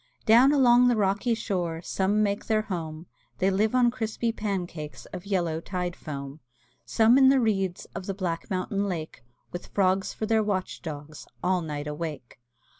Down along the rocky shore Some make their home, They live on crispy pancakes Of yellow tide foam; Some in the reeds Of the black mountain lake, With frogs for their watch dogs All night awake.